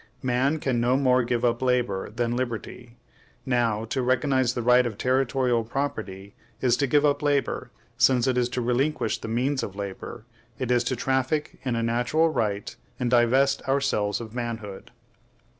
Man can no more give up labor than liberty. Now, to recognize the right of territorial property is to give up labor, since it is to relinquish the means of labor; it is to traffic in a natural right, and divest ourselves of manhood.